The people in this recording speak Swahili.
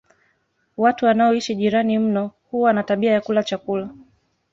Watu wanaoishi jirani mno huwa na tabia ya kula chakula